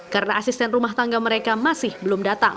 karena asisten rumah tangga mereka masih belum datang